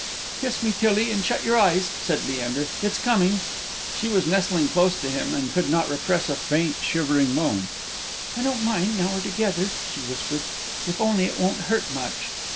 "Kiss me, Tillie, and shut your eyes," said Leander; "it's coming!" She was nestling close against him, and could not repress a faint shivering moan. "I don't mind, now we're together," she whispered, "if only it won't hurt much!"